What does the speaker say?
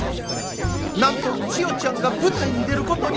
なんと千代ちゃんが舞台に出ることに。